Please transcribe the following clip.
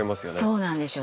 そうなんですよ。